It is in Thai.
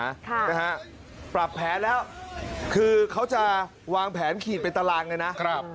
ค่ะนะฮะปรับแผนแล้วคือเขาจะวางแผนขีดเป็นตารางเลยนะครับ